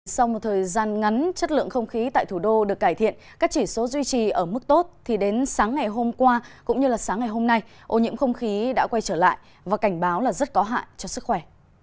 sau một thời gian ngắn chất lượng không khí tại thủ đô được cải thiện các chỉ số duy trì ở mức tốt thì đến sáng ngày hôm qua cũng như sáng ngày hôm nay ô nhiễm không khí đã quay trở lại và cảnh báo là rất có hại cho sức khỏe